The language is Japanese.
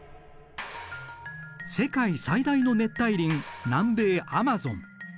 世界最大の熱帯林南米アマゾン。